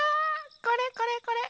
これこれこれ。